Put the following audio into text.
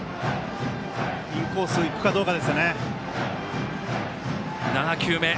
インコース、いくかどうかですね。